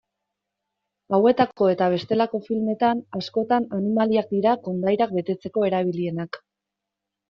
Hauetako eta bestelako filmetan, askotan animaliak dira kondairak betetzeko erabilienak.